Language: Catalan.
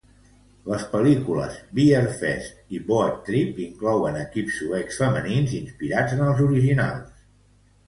Les pel·lícules Beerfest i Boat Trip inclouen equips suecs femenins inspirats en els originals.